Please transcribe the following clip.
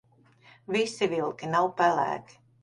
Visi vilki nav pelēki.